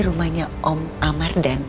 rumahnya om amar dan